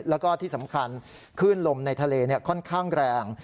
แล้วก็ที่สำคัญคลื่นลมในทะเลค่อนข้างแรง